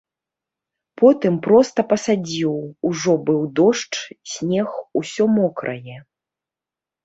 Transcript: Потым проста пасадзіў, ужо быў дождж, снег, усё мокрае.